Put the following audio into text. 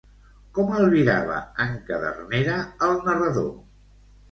Com albirava en Cadernera al narrador?